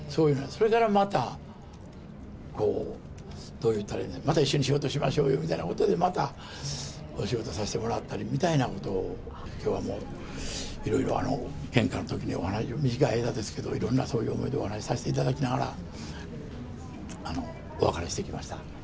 それからまた、ことを言ったらいいのか、また一緒に仕事しましょうよみたいなことで、またお仕事させてもらったりみたいなことを、きょうはもういろいろ献花のときにお話を、短い間ですけど、またお話させていただきながら、お別れしてきました。